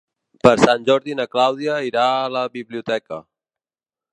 Per Sant Jordi na Clàudia irà a la biblioteca.